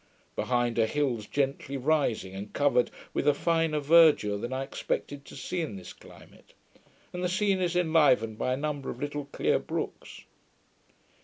Behind are hills gently rising and covered with a finer verdure than I expected to see in this climate, and the scene is enlivened by a number of little clear brooks.